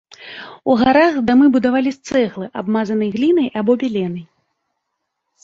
У гарах дамы будавалі з цэглы, абмазанай глінай або беленай.